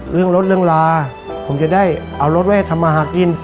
เรื่องรถเรื่องลาผมจะได้เอารถไว้ทำมาหากิน